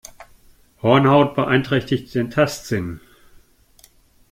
Hornhaut beeinträchtigt den Tastsinn.